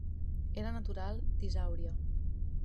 Era natural d'Isàuria.